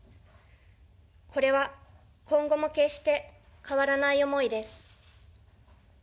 これは今後も決して変わらない思いです。